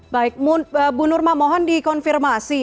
baik bu nurma mohon dikonfirmasi